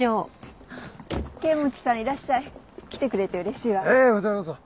剣持さんいらっしゃい。来てくれてうれしいわ。